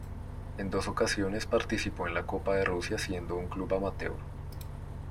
En dos ocasiones participó en la Copa de Rusia siendo un club amateur.